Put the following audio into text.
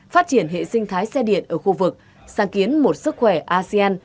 phát triển hệ sinh thái xe điện ở khu vực sáng kiến một sức khỏe asean